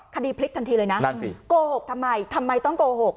คดีพลิกทันทีเลยนะนั่นสิโกหกทำไมทำไมต้องโกหก